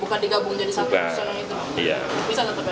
bukan digabung jadi satu putusan